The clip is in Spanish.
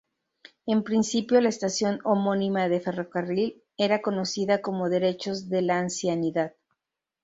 En principio la estación homónima de ferrocarril era conocida como "Derechos de la Ancianidad".